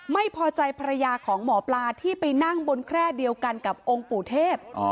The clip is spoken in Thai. ไม่พอใจภรรยาของหมอปลาที่ไปนั่งบนแคร่เดียวกันกับองค์ปู่เทพ